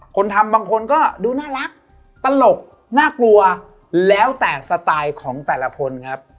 คนทำบางคนก็ดูน่ารักตลกน่ากลัวแล้วแต่สไตล์ของแต่ละคนครับ